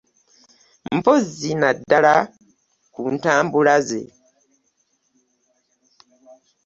Mpozzi naddala ku ntambula ze.